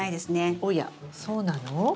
おやそうなの？